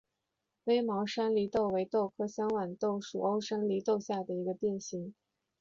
微毛山黧豆为豆科香豌豆属欧山黧豆下的一个变型。